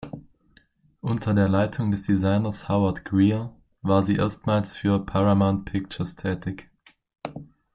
Unter der Leitung des Designers Howard Greer war sie erstmals für Paramount Pictures tätig.